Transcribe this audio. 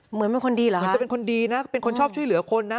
เหมือนเป็นคนดีเหรอเหมือนจะเป็นคนดีนะเป็นคนชอบช่วยเหลือคนนะ